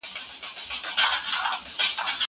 درسونه لوستل کړه!!